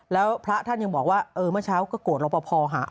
แล้วพระท่านยังบอกว่ามาเช้าก็โกรธเราพอั